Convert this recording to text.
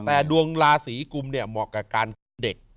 แต่ดวงราศีกุมเนี่ยเหมาะกับการคิดเด็ก